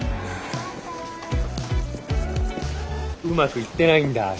うまくいってないんだ？